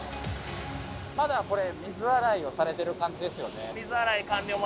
まだこれ水洗いをされてる感じですよね。